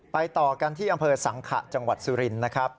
ต่อกันที่อำเภอสังขะจังหวัดสุรินทร์นะครับ